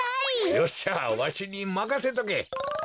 よっしゃわしにまかせとけ！